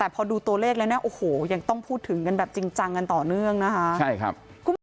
พูดถึงกันแบบจริงจังกันต่อเนื่องนะคะใช่ครับ